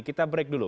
kita break dulu